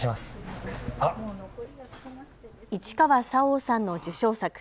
市川沙央さんの受賞作。